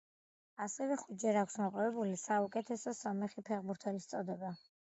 ასევე ხუთჯერ აქვს მოპოვებული საუკეთესო სომეხი ფეხბურთელის წოდება.